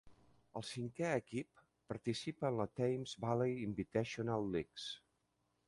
El cinquè equip participa en la Thames Valley Invitational Leagues.